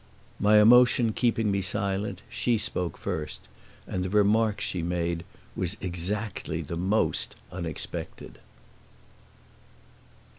My emotion keeping me silent she spoke first, and the remark she made was exactly the most unexpected.